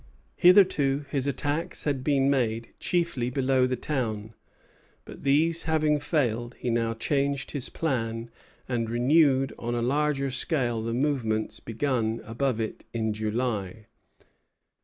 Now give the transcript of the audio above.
Hitherto, his attacks had been made chiefly below the town; but, these having failed, he now changed his plan and renewed on a larger scale the movements begun above it in July.